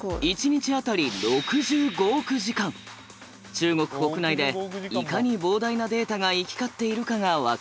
中国国内でいかに膨大なデータが行き交っているかが分かります。